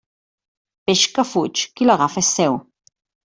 Peix que fuig, qui l'agafa és seu.